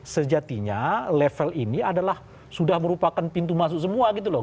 sejatinya level ini adalah sudah merupakan pintu masuk semua gitu loh